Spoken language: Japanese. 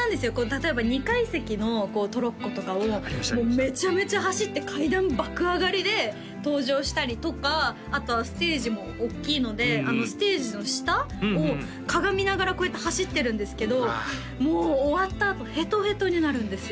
例えば２階席のトロッコとかをめちゃめちゃ走って階段爆上がりで登場したりとかあとはステージもおっきいのでステージの下をかがみながらこうやって走ってるんですけどもう終わったあとへとへとになるんですよ